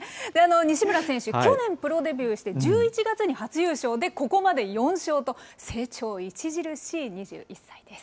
西村選手、去年プロデビューして１１月に初優勝で、ここまで４勝と、成長著しい２１歳です。